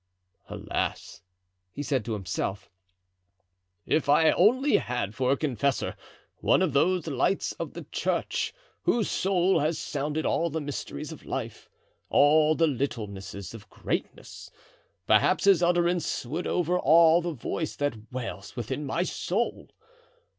"Alas!" he said to himself, "if I only had for a confessor one of those lights of the church, whose soul has sounded all the mysteries of life, all the littlenesses of greatness, perhaps his utterance would overawe the voice that wails within my soul.